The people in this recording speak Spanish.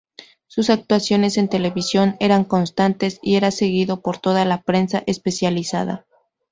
Sus actuaciones en televisión eran constantes y era seguido por toda la prensa especializada.